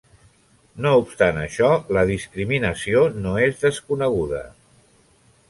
No obstant això, la discriminació no és desconeguda.